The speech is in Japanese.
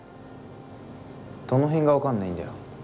どの辺が分かんないんだよ。